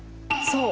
そう。